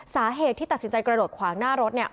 สาเหตุที่ตัดสินใจกระโดดขวางหน้ารถเนี่ย